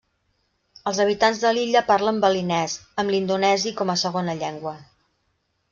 Els habitants de l'illa parlen balinès, amb l'indonesi com a segona llengua.